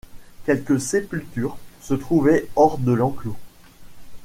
Quelques sépultures se trouvaient hors de l'enclos.